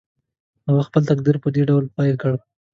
هغه خپل تقریر په دې ډول پیل کړ.